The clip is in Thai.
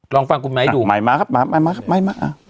ลองฟังคุณไมค์ดูไมค์มาครับไมค์มาครับไมค์มาครับ